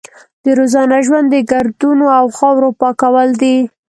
د روزانه ژوند د ګردونو او خاورو پاکول دي.